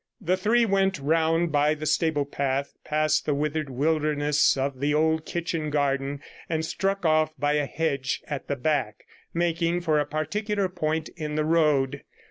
The three went round by the stable path, past the withered wilderness of the old kitchen garden, and struck off by a hedge at the back, making for a particular point in the road.